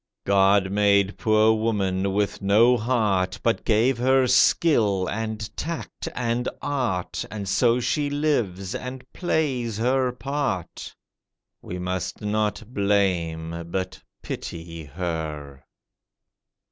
God made poor woman with no heart, But gave her skill, and tact, and art, And so she lives, and plays her part. We must not blame, but pity her.